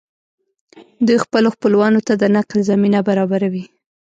دوی خپلو خپلوانو ته د نقل زمینه برابروي